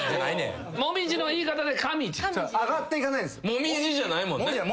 「もみじ」じゃないもんね。